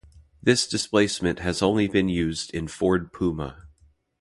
This displacement has only been used in Ford Puma.